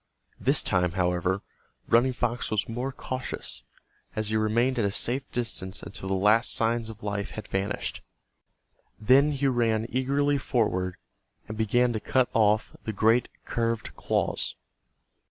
This time, however, Running Fox was more cautious, and he remained at a safe distance until the last signs of life had vanished. Then he ran eagerly forward and began to cut off the great curved claws.